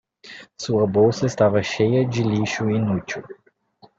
Sua bolsa estava cheia de lixo inútil.